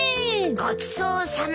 ごちそうさま。